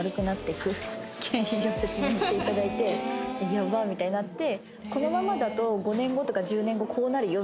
ヤバッみたいになって。